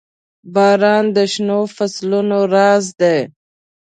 • باران د شنو فصلونو راز دی.